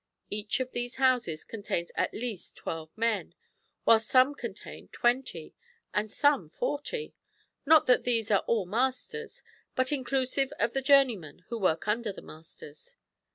Each of these houses contains at least 1 2 men, whilst some contain 20 and some 40, — not that these are all masters, but inclusive of the journeymen who work under the masters.